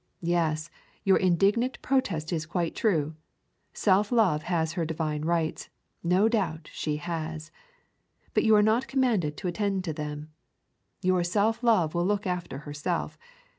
Yes, your indignant protest is quite true. Self love has her divine rights, no doubt she has. But you are not commanded to attend to them. Your self love will look after herself.